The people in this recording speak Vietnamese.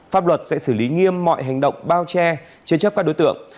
pháp luật sẽ xử lý nghiêm mọi hành động bao che chế chấp các đối tượng